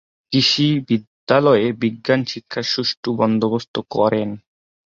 কৃষি বিদ্যালয়ে বিজ্ঞান শিক্ষার সুষ্ঠু বন্দোবস্ত করেন।